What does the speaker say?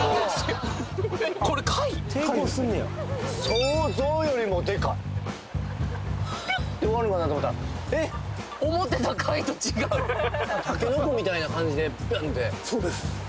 想像よりもでかいピュッて終わるんかなと思ったらえっ思てた貝と違う竹の子みたいな感じでビュン！ってそうです